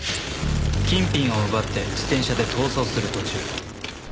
金品を奪って自転車で逃走する途中。